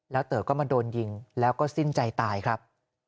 แล้วเต๋อก็มาโดนยิงแล้วก็สิ้นใจตายครับ